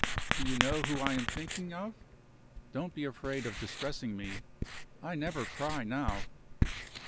Do you know who I am thinking of? Don't be afraid of distressing me. I never cry now."